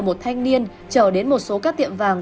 một thanh niên chở đến một số các tiệm vàng